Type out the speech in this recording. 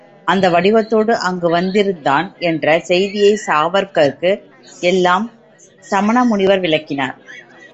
அந்த வடிவத்தோடு அங்கு வந்திருந்தான் என்ற செய்தியைச் சாவகர்க்கு எல்லாம் சமணமுனிவர் விளக்கினார்.